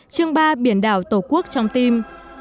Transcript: chương ba biển đảo tổ quốc trong tim